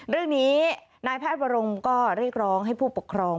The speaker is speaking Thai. เรื่องนี้นายแพทย์วรงก็เรียกร้องให้ผู้ปกครอง